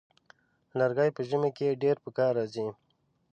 لرګی په ژمي کې ډېر پکار راځي.